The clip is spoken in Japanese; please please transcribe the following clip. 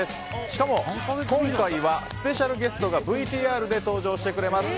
しかも今回はスペシャルゲストがＶＴＲで登場してくれます。